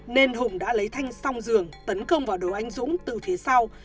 nên hùng đã lấy thanh song dường tấn công vào đồ anh dũng từ phía sau